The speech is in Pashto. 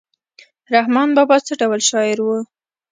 رحمان بابا څه ډول شاعر و؟